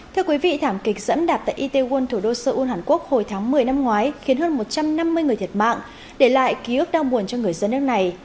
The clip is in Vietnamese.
thưa quý vị thảm kịch dẫm đạp tại itaewon thủ đô seoul hàn quốc hồi tháng một mươi năm ngoái khiến hơn một trăm năm mươi người thiệt mạng để lại ký ức đau buồn cho người dân nước này